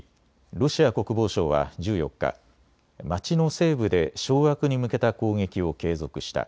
ロシア国防省は１４日、街の西部で掌握に向けた攻撃を継続した。